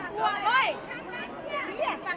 ต้องใจร่วม